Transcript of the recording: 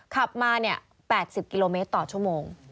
ขับมา๘๐กิโลเมตรต่อชั่วโมง